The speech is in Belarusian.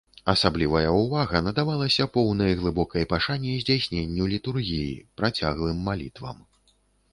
Асаблівая ўвага надавалася поўнай глыбокай пашане здзяйсненню літургіі, працяглым малітвам.